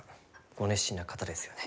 ご熱心な方ですよね。